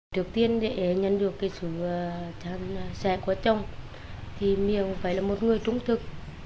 trước tiên để nhận được sự sẻ của chồng thì mình phải là một người trung thực